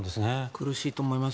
苦しいと思います。